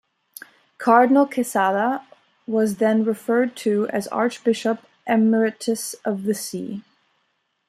Cardinal Quezada was then referred to as Archbishop Emeritus of the see.